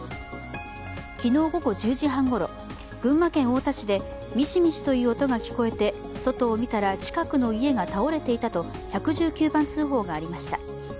昨日午後１０時半ごろ、群馬県太田市でミシミシという音が聞こえて外を見たら近くの家が倒れていたと１１９番通報がありました。